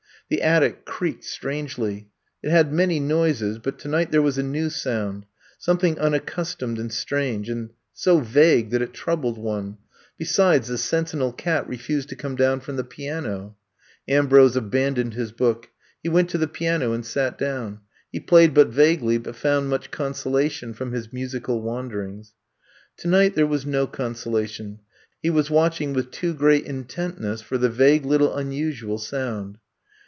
The attic creaked strangely. It had many noises, but tonight there was a new sound, something unaccustomed and strange and so vague that it troubled one — besides, the sentinel cat refused to come down from the piano. Ambrose aban I'VE COMB TO STAY 45 doned his book. He went to the piano and sat down. He played but vaguely, but found much consolation from his musical wanderings. Tonight there was no conso lation, he was watching with too great in tentness for the vague little unusual sound.